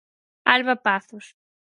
Alba Pazos...